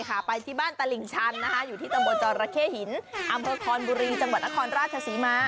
หาไม่เจอหรอกจะบอกให้